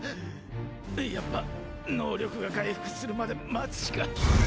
やっぱ能力が回復するまで待つしか。